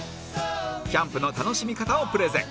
キャンプの楽しみ方をプレゼン